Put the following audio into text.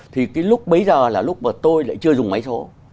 thì cái lúc bấy giờ là lúc mà tôi lại chưa dùng máy số